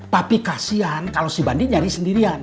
tapi kasian kalau si banding nyari sendirian